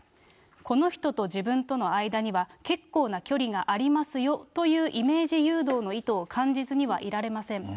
この人と自分との間には、結構な距離がありますよというイメージ誘導の意図を感じずにはいられません。